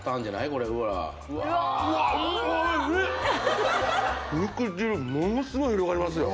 これほら肉汁ものすごい広がりますよ